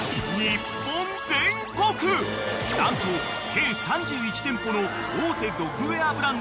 ［何と計３１店舗の大手ドッグウエアブランド